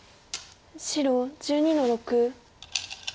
白１２の六。